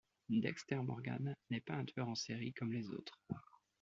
Dexter Morgan n'est pas un tueur en série comme les autres.